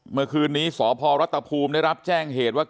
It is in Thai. เมื่อคืนนี้สพรัฐภูมิได้รับแจ้งเหตุว่า